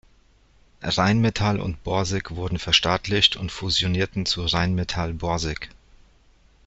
Rheinmetall und Borsig wurden verstaatlicht und fusionierten zu Rheinmetall-Borsig.